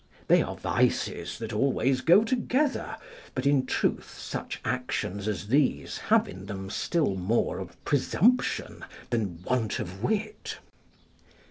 They are vices that always go together, but in truth such actions as these have in them still more of presumption than want of wit.